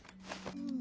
うん。